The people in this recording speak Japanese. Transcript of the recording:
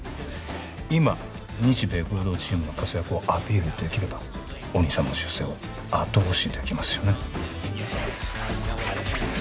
今日米合同チームの活躍をアピールできればお兄様の出世を後押しできますよね